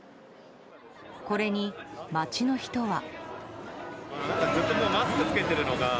これに、街の人は。